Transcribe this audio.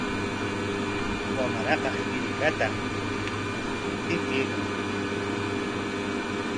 Wamraqa hirkata hiqaykan.